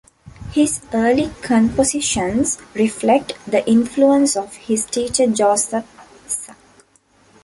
His early compositions reflect the influence of his teacher Josef Suk.